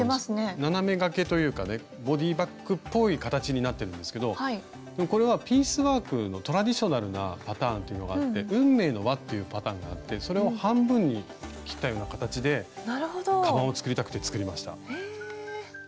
斜めがけというかねボディーバッグっぽい形になってるんですけどでもこれはピースワークのトラディショナルなパターンっていうのがあって運命の輪っていうパターンがあってそれを半分に切ったような形でかばんを作りたくて作りました。